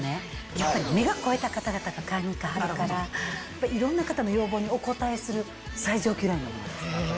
やっぱり目が肥えた方々が買いに行かはるからいろんな方の要望にお応えする最上級ラインのものです。